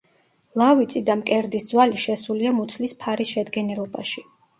ლავიწი და მკერდის ძვალი შესულია მუცლის ფარის შედგენილობაში.